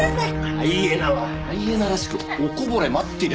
ハイエナはハイエナらしくおこぼれ待ってりゃいいんだよ。